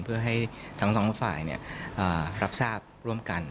เพื่อให้ทั้งสองฝ่ายรับทราบร่วมกัน